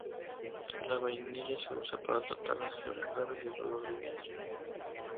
La vainilla se usa para tratar las fiebres graves y el dolor de vientre.